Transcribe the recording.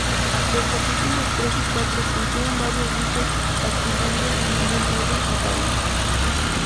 Los capítulos tres y cuatro contienen varios dichos atribuidos sin ningún orden aparente.